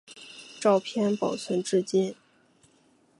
照片保存至今。